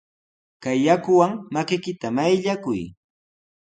Kay yakuwan makiykita mayllakuy.